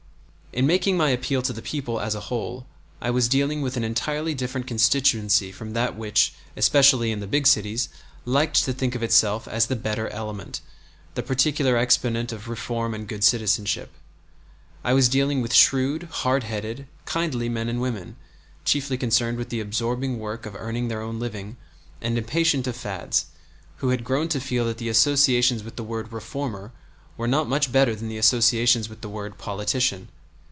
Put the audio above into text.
In making my appeal to the people as a whole I was dealing with an entirely different constituency from that which, especially in the big cities, liked to think of itself as the "better element," the particular exponent of reform and good citizenship. I was dealing with shrewd, hard headed, kindly men and women, chiefly concerned with the absorbing work of earning their own living, and impatient of fads, who had grown to feel that the associations with the word "reformer" were not much better than the associations with the word "politician."